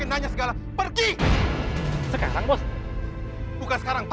saya salah menolaknya